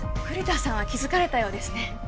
栗田さんは気付かれたようですね。